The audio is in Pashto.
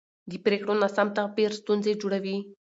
د پرېکړو ناسم تعبیر ستونزې جوړوي